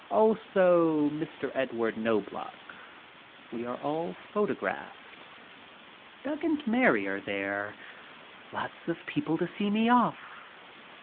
Also Mr. Edward Knobloch. We are all photographed. Doug and Mary are there. Lots of people to see me off.